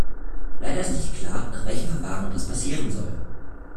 Leider ist nicht klar, nach welchen Verfahren das passieren soll.